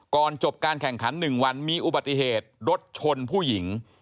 ก่อนจบการแข่งขัน๑วันมีอุบัติเหตุรถชนผู้หญิง